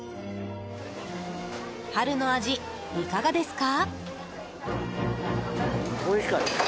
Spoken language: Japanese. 春の味、いかがですか？